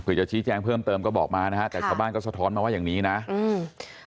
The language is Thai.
เพื่อจะชี้แจงเพิ่มเติมก็บอกมานะฮะแต่ชาวบ้านก็สะท้อนมาว่าอย่างนี้นะอืม